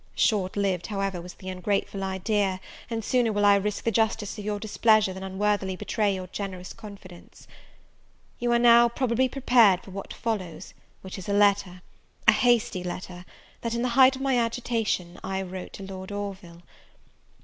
Short lived, however, was the ungrateful idea, and sooner will I risk the justice of your displeasure, than unworthily betray your generous confidence. You are now probably prepared for what follows which is a letter a hasty letter, that, in the height of my agitation, I wrote to Lord Orville.